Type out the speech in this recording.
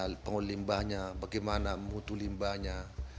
bagaimana pengulimbahnya bagaimana mutu limbahnya